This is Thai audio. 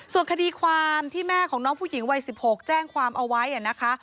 ส่วนคดีความที่แม่ของน้องผู้หญิงวัย๑๖แจ้งความเอาไว้นะคะ